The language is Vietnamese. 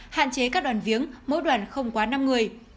hạn chế các đoàn viếng mỗi đoàn không quá năm người